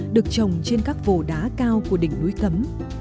được trồng trên các vổ đá cao của đỉnh núi cấm